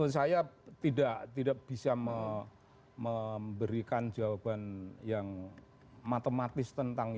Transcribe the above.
saya tidak bisa memberikan jawaban yang matematis tentang ini